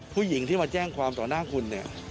ผู้หญิงที่มาแจ้งความต่อหน้าคุณเนี่ย